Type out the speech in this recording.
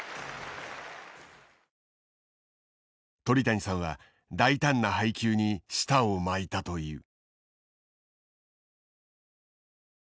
鳥谷さんは大胆な配球に舌を巻いたという。